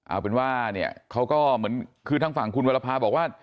เอาเป็นว่าเนี่ยเขาก็เหมือนคือทางฝั่งคุณวรภาบอกว่า